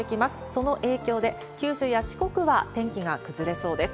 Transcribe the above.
その影響で、九州や四国は天気が崩れそうです。